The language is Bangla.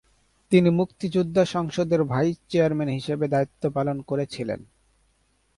তিনি মুক্তিযোদ্ধা সংসদের ভাইস চেয়ারম্যান হিসেবে দায়িত্ব পালন করেছিলেন।